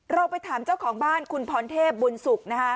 เราไปถามเจ้าของบ้านคุณพรเทพบุญสุขนะคะ